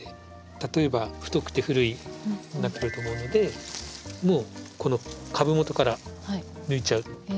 例えば太くて古いなってくると思うのでもうこの株元から抜いちゃうっていう感じですね。